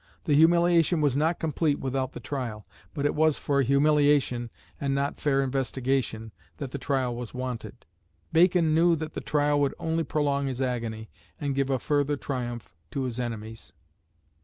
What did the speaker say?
The humiliation was not complete without the trial, but it was for humiliation and not fair investigation that the trial was wanted. Bacon knew that the trial would only prolong his agony, and give a further triumph to his enemies.